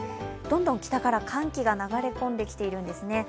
どんどん北から寒気が流れ込んできているんですね。